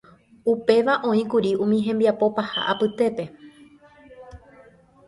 Upéva oĩkuri umi hembiapo paha apytépe.